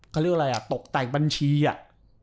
เขาเรียกว่าอะไรอ่ะตกแต่งบัญชีอ่ะ